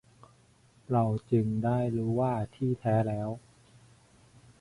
เราจึงได้รู้ว่า ที่แท้แล้ว